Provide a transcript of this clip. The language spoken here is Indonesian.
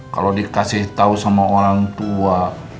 kalo dikasih tau sama orang tua